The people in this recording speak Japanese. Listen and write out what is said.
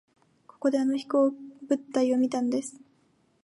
ここであの飛行物体を見たんです。